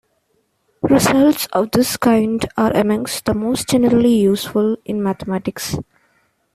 Results of this kind are amongst the most generally useful in mathematics.